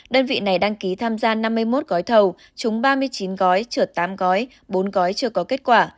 đơn vị này đăng ký tham gia năm mươi một gói thầu trúng ba mươi chín gói trượt tám gói bốn gói chưa có kết quả